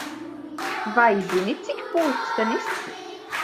Vai zini, cik pulkstenis?